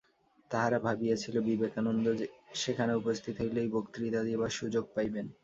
তাহারা ভাবিয়াছিল, বিবেকানন্দ সেখানে উপস্থিত হইলেই বক্তৃতা দিবার সুযোগ পাইবেন।